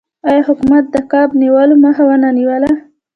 آیا حکومت د کب نیولو مخه ونه نیوله؟